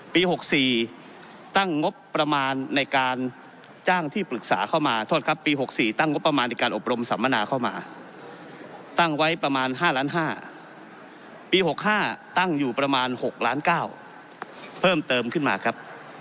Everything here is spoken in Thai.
ปี๖๔ตั้งงบประมาณในการอบรมสัมมนาเข้ามาตั้งไว้ประมาณ๕ล้าน๕ปี๖๕ตั้งอยู่ประมาณ๖ล้าน๙เพิ่มเติมขึ้นมาครับ